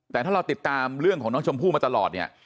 แต่ถ้าเราติดตามเรื่องของน้องชมพู่มาตลอดเนี่ย